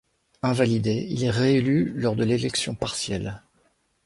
Invalidé, il est réélu lors de l'élection partielle.